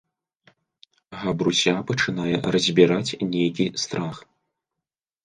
Габруся пачынае разбiраць нейкi страх...